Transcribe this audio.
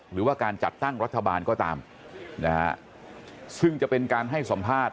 หรือว่าการจัดตั้งรัฐบาลก็ตามนะฮะซึ่งจะเป็นการให้สัมภาษณ์